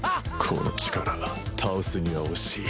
この力倒すには惜しい。